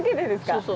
そうそう。